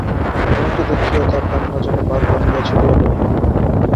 আমাকে দেখিয়া তার কান্না যেন বাঁধ ভাঙিয়া ছুটিয়া পড়িল।